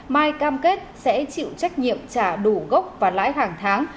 mai cam kết sẽ chịu trách nhiệm trả đủ gốc và lãi hàng tháng